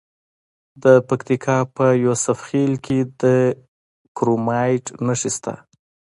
د پکتیکا په یوسف خیل کې د کرومایټ نښې شته.